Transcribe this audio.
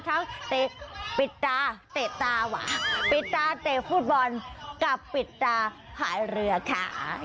เตะปิดตาเตะตาหว่ะปิดตาเตะฟุตบอลกับปิดตาพายเรือค่ะ